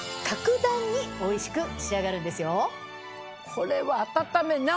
これは。